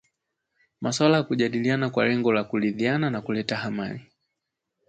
maswala ya kujadiliana kwa lengo la kuridhiana na kuleta amani